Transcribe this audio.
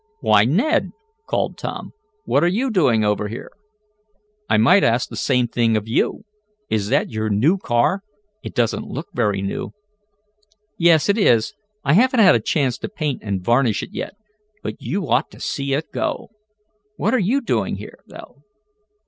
"Why, Ned!" called Tom, "what are you doing over here?" "I might ask the same thing of you. Is that your new car? It doesn't look very new." "Yes, this is it. I haven't had a chance to paint and varnish it yet. But you ought to see it go. What are doing here, though?"